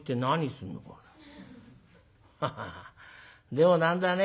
でも何だね